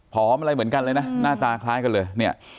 อะไรเหมือนกันเลยนะหน้าตาคล้ายกันเลยเนี่ย